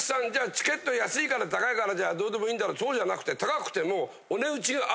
チケット安いから高いからどうでもいいんだろうそうじゃなくて。